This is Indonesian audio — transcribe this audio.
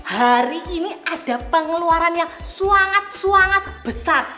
hari ini ada pengeluaran yang suangat suangat besar